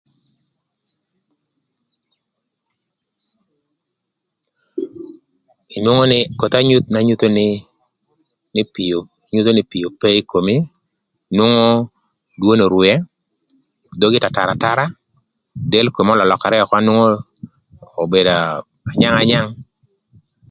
Inwongo nï köth anyuth na nyutho nï, pii ope ï komi, nwongo dwoni orwee, dhogi tatar atara, del komi ölölökërë ökö na nwongo obedo anyang anyang.